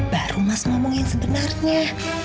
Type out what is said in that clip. baru mas ngomong yang sebenarnya